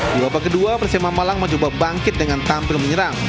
di babak kedua persema malang mencoba bangkit dengan tampil menyerang